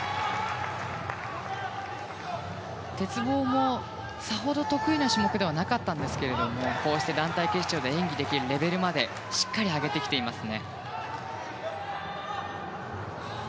鉄棒もさほど得意な種目ではなかったんですがこうして団体決勝で演技できるレベルまでしっかり上げてきました。